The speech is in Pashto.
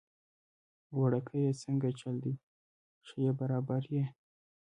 وړکیه څنګه چل دی، ښه يي برابر يي؟